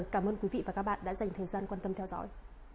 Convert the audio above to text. cảm ơn quý vị và các bạn đã dành thời gian quan tâm theo dõi